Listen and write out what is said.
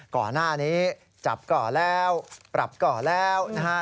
ก่อนหน้านี้จับก่อแล้วปรับก่อแล้วนะฮะ